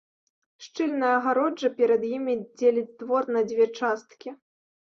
Шчыльная агароджа перад імі дзеліць двор на дзве часткі.